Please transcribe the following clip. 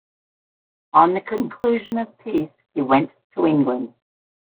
On the conclusion of peace he went to England.